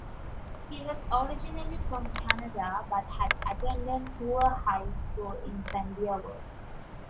He was originally from Canada but had attended Hoover High School in San Diego.